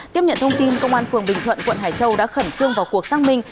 tiếp nhận thông tin công an phường bình thuận quận hải châu đã khẩn trương vào cuộc xác minh